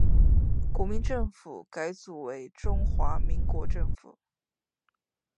国民政府改组为中华民国政府。